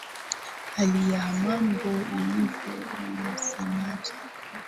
hali ya mambo ilivyo unasemaje